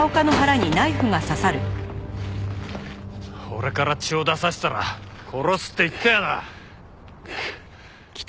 俺から血を出させたら殺すって言ったよな！？